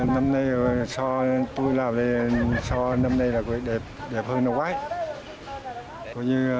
năm nay tôi làm đây năm nay là đẹp hơn đâu quái